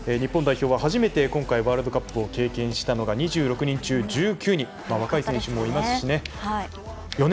日本代表は初めて今回ワールドカップを経験したのが２６人中１９人若い選手もいますしね。